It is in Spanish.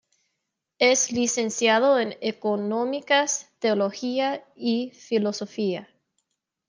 Es licenciado en Económicas, Teología y Filosofía.